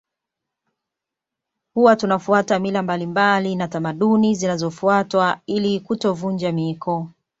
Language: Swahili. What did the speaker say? Huwa tunafuata mila mbalimbali na tamaduni zinazofuatwa ili kutovunja miiko